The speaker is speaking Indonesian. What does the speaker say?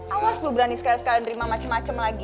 awas lo berani sekali sekali nerima macem macem lagi